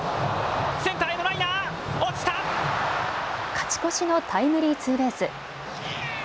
勝ち越しのタイムリーツーベース。